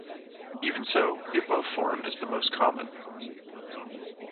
Even so, the above form is the most common.